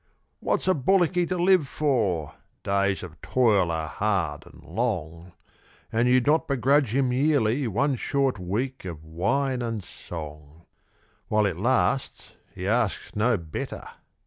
What's a bullocky to live for? Days of toil are hard and long; And you'd not begrudge him yearly one short week of wine anD song. While it lasts he asks no better.